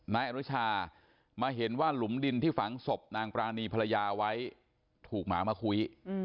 นายอนุชามาเห็นว่าหลุมดินที่ฝังศพนางปรานีภรรยาไว้ถูกหมามาคุย